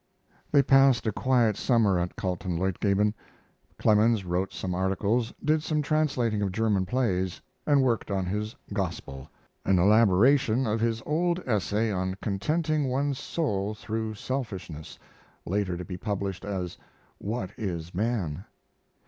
They passed a quiet summer at Kaltenleutgeben. Clemens wrote some articles, did some translating of German plays, and worked on his "Gospel," an elaboration of his old essay on contenting one's soul through selfishness, later to be published as 'What is Man?'